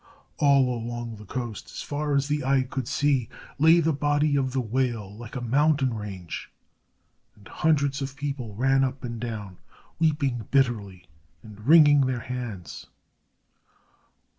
All along the coast, as far as the eye could see, lay the body of the whale like a mountain range, and hundreds of people ran up and down, weeping bitterly and wringing their hands.